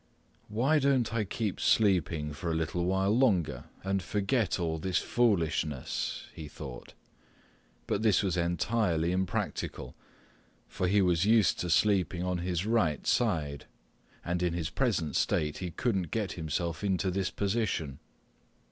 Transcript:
"Why don't I keep sleeping for a little while longer and forget all this foolishness," he thought. But this was entirely impractical, for he was used to sleeping on his right side, and in his present state he couldn't get himself into this position.